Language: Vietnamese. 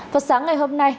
phát sáng ngày hôm nay